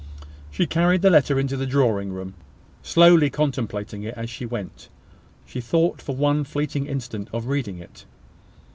She carried the letter into the drawing room, slowly contemplating it as she went. She thought, for one fleeting instant, of reading it.